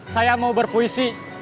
saya mau berpuisi